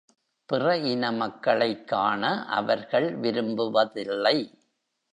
பிற இன மக்களைக் காண அவர்கள் விரும்புவதில்லை.